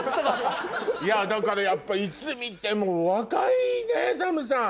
だからやっぱいつ見てもお若いねＳＡＭさん。